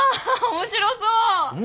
面白そう？